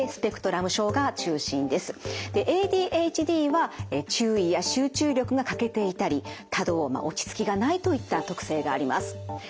ＡＤＨＤは注意や集中力が欠けていたり多動落ち着きがないといった特性があります。